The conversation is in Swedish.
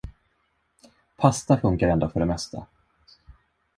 Pasta funkar ändå för det mesta.